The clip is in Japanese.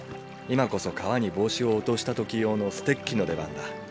今こそ川に帽子を落とした時用のステッキの出番だ。